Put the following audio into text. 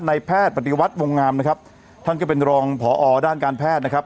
ในแพทย์ปฏิวัติวงงามนะครับท่านก็เป็นรองผอด้านการแพทย์นะครับ